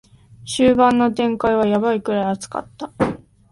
終盤の展開はヤバいくらい熱かった